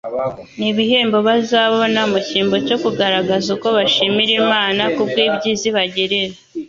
n'ibihembo bazabona, mu cyimbo cyo kugaragaza uko bashimira Imana kubw'ibyiza ibagirira.